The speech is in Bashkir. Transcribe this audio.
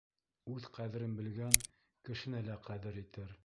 Үҙ ҡәҙерен белгән, кешене лә ҡәҙер итер.